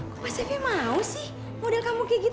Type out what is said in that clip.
kok pas hpi mau sih model kamu kayak gitu